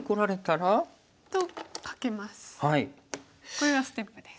これがステップです。